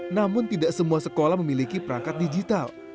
namun tidak semua sekolah memiliki perangkat digital